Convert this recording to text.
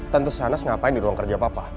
tante sanas ngapain di ruang kerja papa